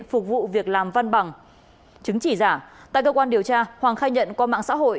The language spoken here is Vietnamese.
phục vụ việc làm văn bằng chứng chỉ giả tại cơ quan điều tra hoàng khai nhận qua mạng xã hội